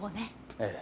ええ。